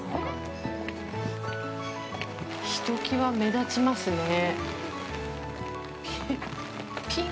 ひときわ目立ちますねぇ。